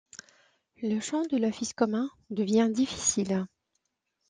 Le chant de l'office commun devient difficile.